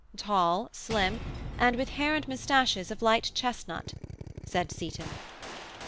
"Tall, slim, and with hair and moustaches of light chestnut," said Seyton.